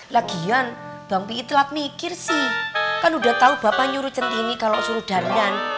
lagian bang pi'i telat mikir sih kan udah tahu bapak nyuruh cet ini kalau suruh daryan